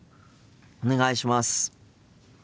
お願いします。